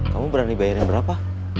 kamu berani bayarin berapa